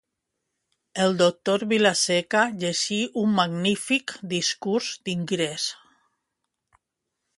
El doctor Vilaseca llegí un magnífic discurs d'ingrés.